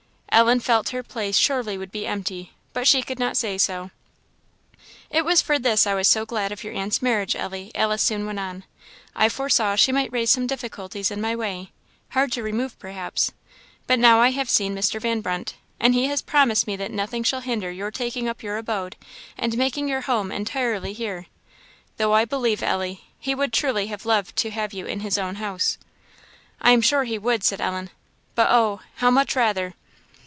Ellen felt her place surely would be empty, but she could not say so. "It was for this I was so glad of your aunt's marriage, Ellie," Alice soon went on. "I foresaw she might raise some difficulties in my way hard to remove, perhaps; but now I have seen Mr. Van Brunt, and he has promised me that nothing shall hinder your taking up your abode, and making your home entirely here. Though I believe, Ellie, he would truly have loved to have you in his own house." "I am sure he would," said Ellen "but oh, how much rather!"